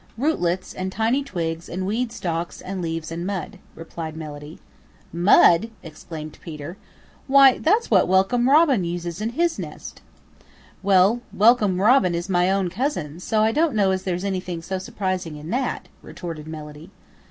"Rootlets and tiny twigs and weed stalks and leaves and mud," replied Melody. "Mud!" exclaimed Peter. "Why, that's what Welcome Robin uses in his nest." "Well, Welcome Robin is my own cousin, so I don't know as there's anything so surprising in that," retorted Melody.